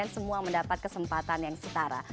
terima kasih juga